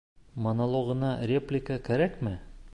Монологыңа реплика кәрәкме?